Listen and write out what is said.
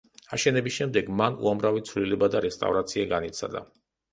აშენების შემდეგ მან უამრავი ცვლილება და რესტავრაცია განიცადა.